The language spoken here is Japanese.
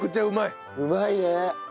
うまいね。